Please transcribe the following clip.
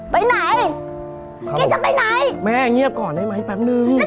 ไปไหนแกจะไปไหนแม่เงียบก่อนได้ไหมแป๊บนึง